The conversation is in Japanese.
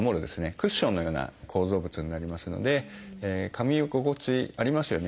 クッションのような構造物になりますのでかみ心地ありますよね